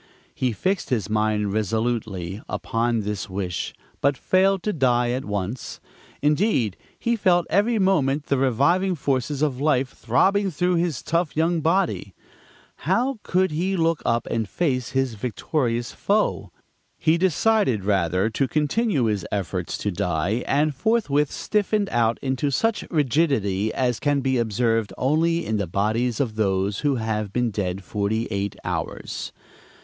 He fixed his mind resolutely upon this wish, but failed to die at once; indeed he felt every moment the reviving forces of life throbbing through his tough young body. How could he look up and face his victorious foe? He decided rather to continue his efforts to die, and forthwith stiffened out into such rigidity as can be observed only in the bodies of those who have been dead forty eight hours.